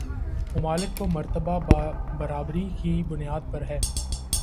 ممالک کو مرتبہ برابری کی بنیاد پر ہے